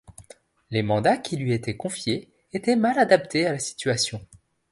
Les mandats qui lui étaient confiés étaient mal adaptés à la situation.